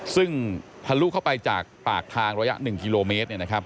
ซึ่งทะลุเข้าไปจากปากทางระยะ๑กิโลเมตร